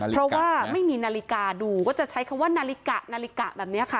เพราะว่าไม่มีนาฬิกาดูก็จะใช้คำว่านาฬิกะนาฬิกะแบบนี้ค่ะ